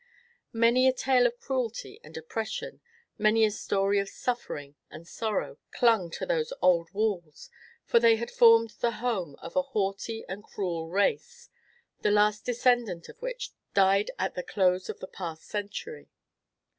Many a tale of cruelty and oppression, many a story of suffering and sorrow, clung to those old walls, for they had formed the home of a haughty and a cruel race, the last descendant of which died at the close of the past century.